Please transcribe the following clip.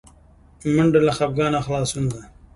منډه له خپګانه خلاصون ده